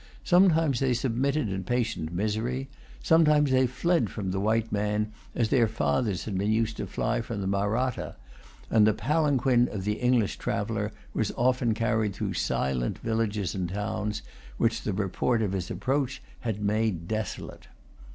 Sometimes they submitted in patient misery. Sometimes they fled from the white man, as their fathers had been used to fly from the Mahratta; and the palanquin of the English traveller was often carried through silent villages and towns, which the report of his approach had made desolate.